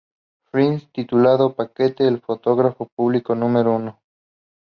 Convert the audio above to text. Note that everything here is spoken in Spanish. Films titulado "Paquete, el fotógrafo público número uno".